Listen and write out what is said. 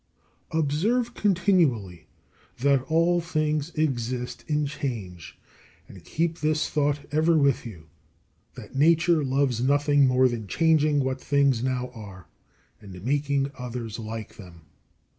36. Observe continually that all things exist in change; and keep this thought ever with you, that Nature loves nothing more than changing what things now are, and making others like them.